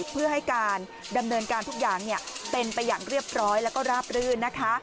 เพื่อให้การดำเนินการทุกอย่างเป็นไปอย่างเรียบร้อยแล้วก็ราบรื่นนะคะ